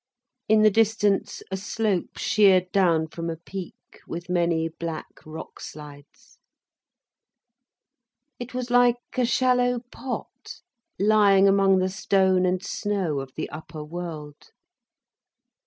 In the distance a slope sheered down from a peak, with many black rock slides. It was like a shallow pot lying among the stone and snow of the upper world.